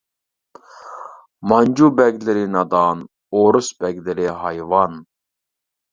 مانجۇ بەگلىرى نادان، ئورۇس بەگلىرى ھايۋان.